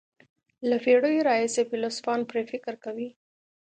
له پېړیو راهیسې فیلسوفان پرې فکر کوي.